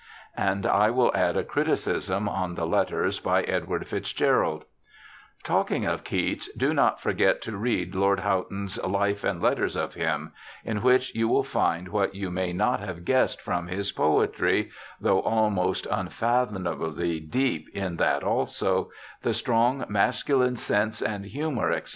And I will add a criticism on the letters by Edward Fitzgerald : 'Talking of Keats, do not forget to read Lord Houghton s Life and Letters of him ; in which you will find what you may not have guessed from his poetry (though almost unfathomably deep in that also), the strong masculine sense and humour, etc.